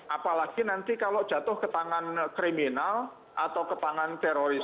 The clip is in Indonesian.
apalagi nanti kalau jatuh ke tangan kriminal atau ke tangan teroris